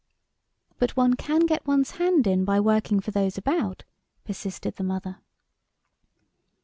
'"" But one can get one's hand in by working for those about," persisted the mother.